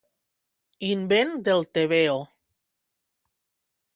Invent del tebeo.